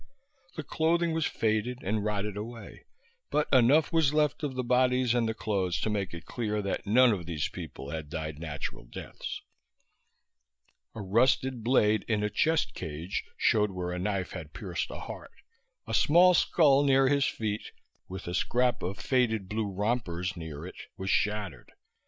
The clothing was faded and rotted away; but enough was left of the bodies and the clothes to make it clear that none of these people had died natural deaths. A rusted blade in a chest cage showed where a knife had pierced a heart; a small skull near his feet (with a scrap of faded blue rompers near it) was shattered.